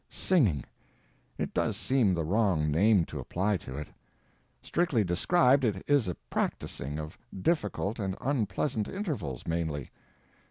Singing! It does seem the wrong name to apply to it. Strictly described, it is a practicing of difficult and unpleasant intervals, mainly.